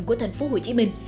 của thành phố hồ chí minh